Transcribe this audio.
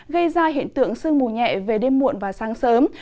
gây ra hiện tượng sương mù nhẹ về đêm muộn và sáng sớm